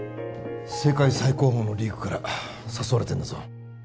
世界最高峰のリーグから誘われてるんだぞ